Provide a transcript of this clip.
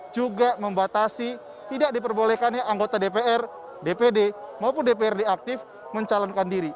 juga membatasi tidak diperbolehkannya anggota dpr dpd maupun dprd aktif mencalonkan diri